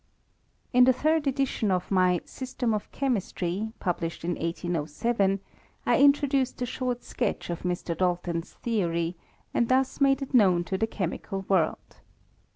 In the third edition of'^my System of Chemistry, published in 1807, 1 introduced a short sketch of Mr. Dalton 's theory, and thus made it known to the chemical world.